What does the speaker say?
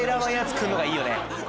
来んのがいいよね